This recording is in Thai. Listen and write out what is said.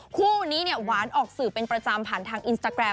คู่นี้เนี่ยหวานออกสื่อเป็นประจำผ่านทางอินสตาแกรม